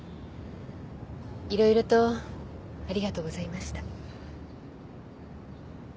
色々とありがとうございました。